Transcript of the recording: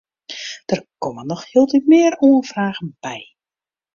Der komme noch hieltyd mear oanfragen by.